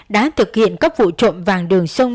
đã thực hiện các vụ trộm vàng đường sông